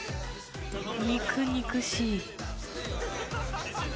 肉々しい。